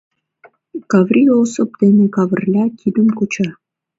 — Каврий Осып дене Кавырля кидым куча.